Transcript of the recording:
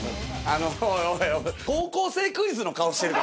あの高校生クイズの顔してる。